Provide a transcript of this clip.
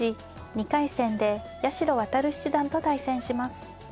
２回戦で八代弥七段と対戦します。